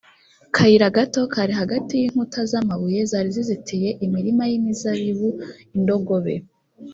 kayira gato kari hagati y inkuta z amabuye zari zizitiye imirima y imizabibu indogobe